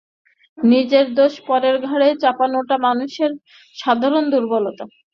নিজের দোষ পরের ঘাড়ে চাপানোটা মানুষের সাধারণ দুর্বলতা।